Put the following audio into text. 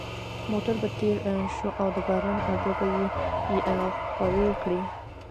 موټر به تېر شو او د باران اوبه به یې خورې کړې